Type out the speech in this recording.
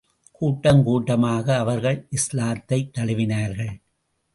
கூட்டம் கூட்டமாக அவர்கள் இஸ்லாத்தைத் தழுவினார்கள்.